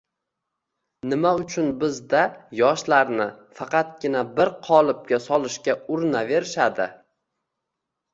Nima uchun bizda yoshlarni faqatgina bir qolipga solishga urinaverishadi?